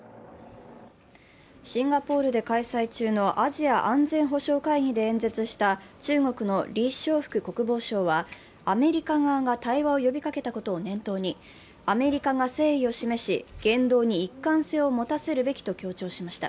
シンガポールで開催中のアジア安全保障会議で演説した中国の李国防相はアメリカ側が対話を呼びかけたことを念頭にアメリカが誠意を示し、言動に一貫性を持たせるべきと強調しました。